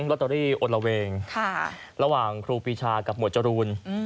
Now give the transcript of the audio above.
ลอตเตอรี่อนละเวงระหว่างครูปีชากับหมวดจรูน